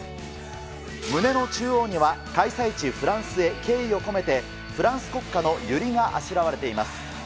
胸の中央には、開催地、フランスへ敬意を込めてフランス国花のユリがあしらわれています。